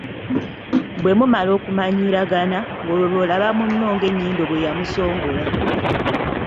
Bwe mumala okumanyiiragana, ng'olwo bw'olaba munno ng'enyindo bwe yamusongola.